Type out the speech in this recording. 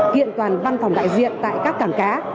kiện toàn văn phòng đại diện tại các cảng cá